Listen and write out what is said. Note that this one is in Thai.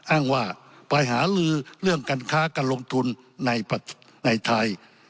อ้างว่าไปหาลือเรื่องการค้าการลงทุนในไทย